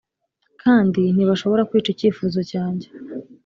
kandi ntibashobora kwica icyifuzo cyanjye